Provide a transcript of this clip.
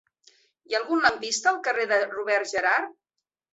Hi ha algun lampista al carrer de Robert Gerhard?